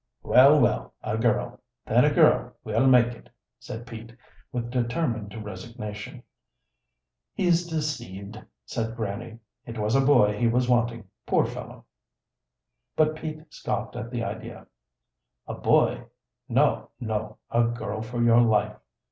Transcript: "Well, well, a girl, then a girl we'll make it," said Pete, with determined resignation. "He's deceaved," said Grannie. "It was a boy he was wanting, poor fellow!" But Pete scoffed at the idea. "A boy? Never! No, no a girl for your life.